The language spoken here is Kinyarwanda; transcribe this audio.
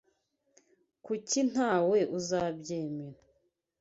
Kuki Ntawe uzabyemera.